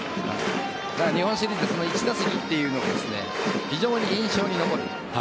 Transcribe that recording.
日本シリーズで１打席というのは非常に印象に残る。